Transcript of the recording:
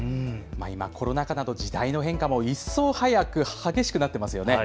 今、コロナ禍など時代の変化も一層早く、激しくなっていますよね。